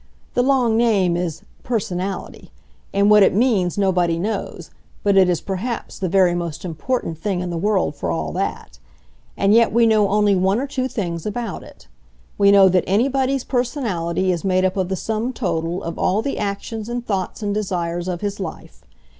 The long name is "personality," and what it means nobody knows, but it is perhaps the very most important thing in the world for all that. And yet we know only one or two things about it. We know that anybody's personality is made up of the sum total of all the actions and thoughts and desires of his life.